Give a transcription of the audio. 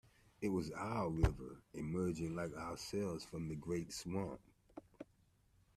It was our river emerging like ourselves from the great swamp.